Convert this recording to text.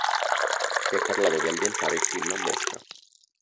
Si è parlato di ambientare il film a Mosca.